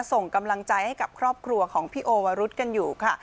ส่งกำลังใจให้กับครอบครัวของพี่โอวรุษกันอยู่ค่ะ